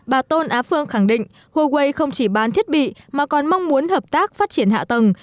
bà tôn á phương khẳng định huawei không chỉ bán thiết bị mà còn mong muốn hợp tác phát triển hạ tầng